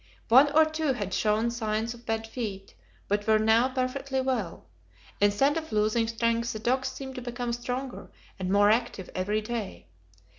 One or two had shown signs of bad feet, but were now perfectly well; instead of losing strength, the dogs seemed to become stronger and more active every day.